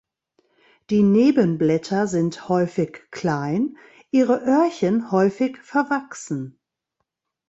Die Nebenblätter sind häufig klein, ihre Öhrchen häufig verwachsen.